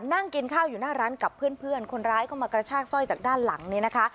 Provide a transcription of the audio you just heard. นั่งกินข้าวอยู่หน้าร้านกับเพื่อนคนร้ายก็มากระชากสร้อยจากด้านหลังนี้นะคะ